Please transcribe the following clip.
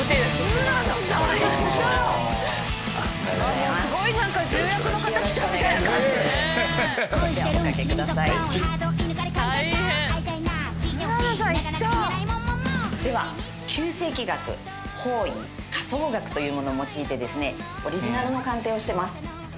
村野さんいった⁉九星気学方位家相学というものを用いてですねオリジナルの鑑定をしてます。